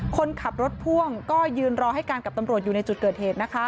คนขับรถพ่วงก็ยืนรอให้การกับตำรวจอยู่ในจุดเกิดเหตุนะคะ